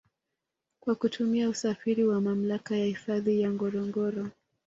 Kwa kutumia usafiri wa mamlaka ya hifadhi ya ngorongoro